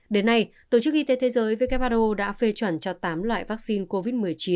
đến nay tổ chức y tế thế giới who đã phê chuẩn cho tám loại vaccine covid một mươi chín